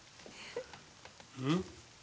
うん？